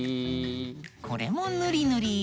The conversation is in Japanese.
これもぬりぬり。